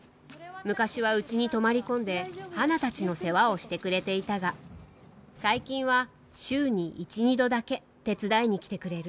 昔は、うちに泊まり込んで花たちの世話をしてくれていたが最近は週に１２度だけ手伝いに来てくれる。